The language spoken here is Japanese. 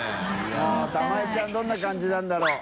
發たまえちゃんどんな感じなんだろう？